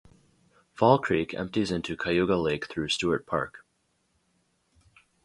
Fall Creek empties into Cayuga Lake through Stewart Park.